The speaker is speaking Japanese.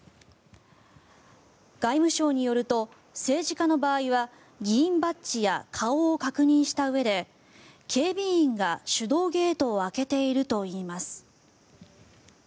外務省によると、政治家の場合は議員バッジや顔を確認したうえで警備員が手動ゲートを開けているといいます。